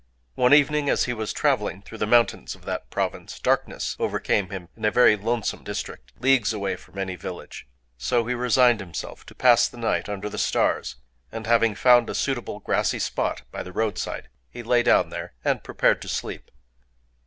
(1) One evening, as he was traveling through the mountains of that province, darkness overcame him in a very lonesome district, leagues away from any village. So he resigned himself to pass the night under the stars; and having found a suitable grassy spot, by the roadside, he lay down there, and prepared to sleep.